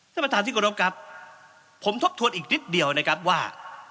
ท่านประธานที่กรบครับผมทบทวนอีกนิดเดียวนะครับว่า